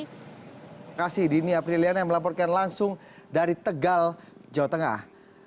terima kasih dini apriliana yang melaporkan langsung dari tegal jawa tengah